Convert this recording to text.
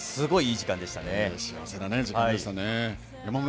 幸せな時間でしたね。